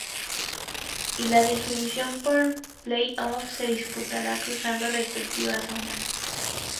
Y la definición por Play Off se disputará cruzando las respectivas zonas.